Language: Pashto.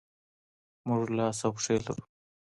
موږ لاس او پښې لرو.